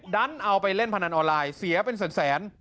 ดันเอาไปเล่นพนันออนไลน์เสียเป็นแสน